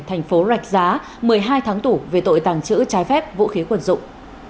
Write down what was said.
thành phố rạch giá một mươi hai tháng tủ về tội tàng trữ trái phép vũ khí quần dụng